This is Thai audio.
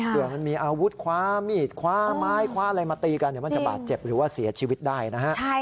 เผื่อมันมีอาวุธขวามีดขวาไม้ขวาอะไรมาตีกัน